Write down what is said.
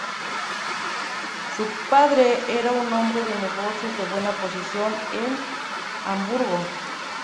Su padre era un hombre de negocios de buena posición en Hamburgo.